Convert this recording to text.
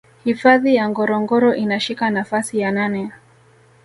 Hifadhi ya Ngorongoro inashika nafasi ya nane